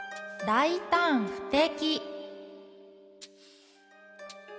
「大胆不敵」。